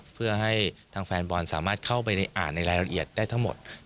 เพื่อให้ทางแฟนบอลสามารถเข้าไปอ่านในรายละเอียดได้ทั้งหมด